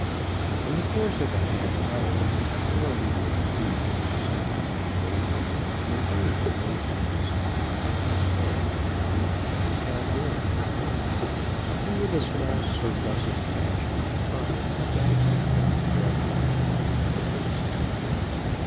In the course of a half hour, Macaroni was induced by sundry persuasions to invade the noisy precinct of Madison Square and come up to the hotel door; and, with a small surplus of cash in pocket, I bade my friends farewell and got into the saddle.